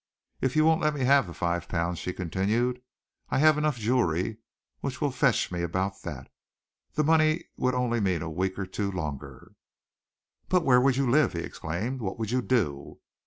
If you won't let me have the five pounds," she continued, "I have enough jewelry with me to fetch about that. The money would only mean a week or two longer." "But where would you live?" he exclaimed. "What would you do?"